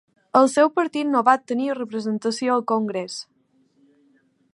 El seu partit no va obtenir representació al Congrés.